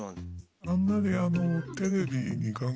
あんまり。